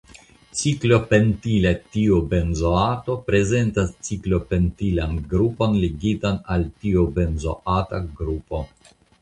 Ciklopentila tiobenzoato prezentas ciklopentilan grupon ligitan al tiobenzoata grupo.